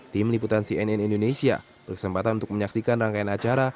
tim liputan cnn indonesia berkesempatan untuk menyaksikan rangkaian acara